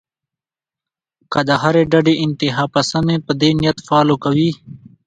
کۀ د هرې ډډې انتها پسند مې پۀ دې نيت فالو کوي